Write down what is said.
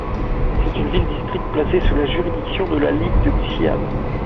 C'est une ville-district placée sous la juridiction de la ligue de Xing'an.